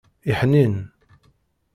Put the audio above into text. Iḥnin.